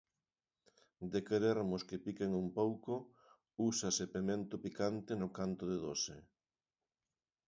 De querermos que piquen un pouco, úsase pemento picante no canto de doce.